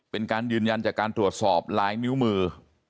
เป็นการยืนยันจากการตรวจสอบลายนิ้วมือ